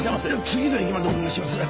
次の駅までお願いします。